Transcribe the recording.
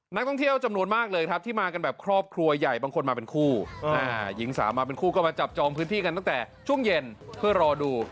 นักท่องเที่ยวจำนวนมากเลยครับที่มากันแบบครอบครัวใหญ่บางคนมาเป็นคู่หญิงสาวมาเป็นคู่ก็มาจับจองพื้นที่กันตั้งแต่ช่วงเย็นเพื่อรอดู